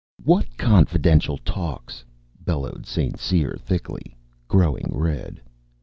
"What confidential talks?" bellowed St. Cyr thickly, growing red.